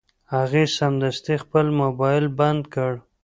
هغه سمدستي خپل مبایل بند کړ.